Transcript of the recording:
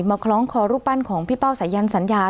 มาคล้องขอลูกบ้านของพี่เป้าสายันสัญญา